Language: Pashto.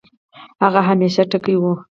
هغه همېشه ټکے وۀ